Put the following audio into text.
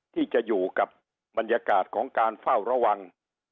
ที่จะอยู่กับบรรยากาศของการเฝ้าระวัง